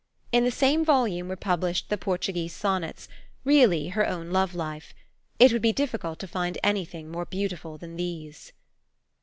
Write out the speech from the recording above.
In the same volume were published the Portuguese Sonnets, really her own love life. It would be difficult to find any thing more beautiful than these.